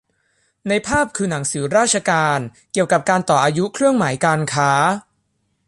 ในภาพคือหนังสือราชการเกี่ยวกับการต่ออายุเครื่องหมายการค้า